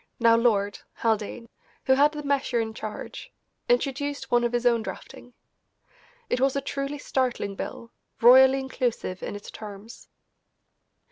(now Lord) Haldane, who had the measure in charge, introduced one of his own drafting. It was a truly startling bill, royally inclusive in its terms.